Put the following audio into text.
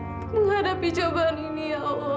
untuk menghadapi cobaan ini ya allah